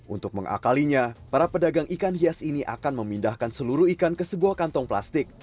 untuk mengakalinya para pedagang ikan hias ini akan memindahkan seluruh ikan ke sebuah kantong plastik